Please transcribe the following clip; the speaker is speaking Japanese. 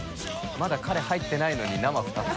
まだ彼入ってないのに「生２つ」